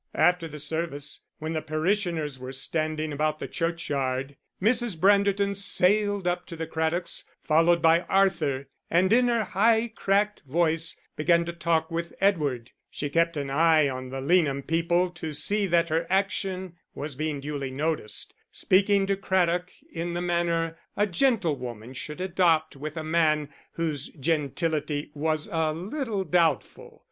After the service, when the parishioners were standing about the churchyard, Mrs. Branderton sailed up to the Craddocks followed by Arthur, and in her high, cracked voice began to talk with Edward. She kept an eye on the Leanham people to see that her action was being duly noticed, speaking to Craddock in the manner a gentlewoman should adopt with a man whose gentility was a little doubtful.